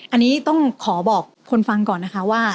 อันนี้ต้องขอบอกคนฟังก่อนนะคะว่า